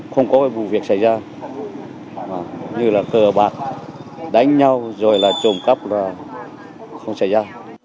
không có vụ việc xảy ra như là cờ bạc đánh nhau rồi là trộm cắp là không xảy ra